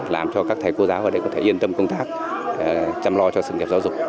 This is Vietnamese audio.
làm cho các thầy cô giáo ở đây có thể yên tâm công tác chăm lo cho sự nghiệp giáo dục